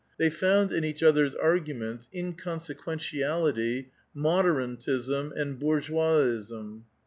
They found in each other's arguments inconsequentiality, moder antism, and l>oui^eoisism.